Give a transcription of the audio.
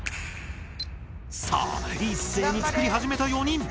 さあ一斉に作り始めた４人。